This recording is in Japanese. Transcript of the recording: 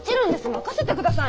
任せてください！